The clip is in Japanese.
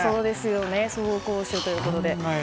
走攻守ということで。